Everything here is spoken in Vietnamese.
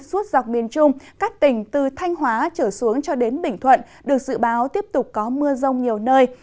suốt dọc miền trung các tỉnh từ thanh hóa trở xuống cho đến bình thuận được dự báo tiếp tục có mưa rông nhiều nơi